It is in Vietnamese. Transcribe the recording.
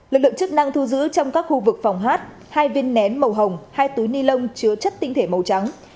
lực lượng chức năng thu giữ trong các khu vực phòng hát hai viên nén màu hồng hai túi ni lông chứa chất tinh thể màu trắng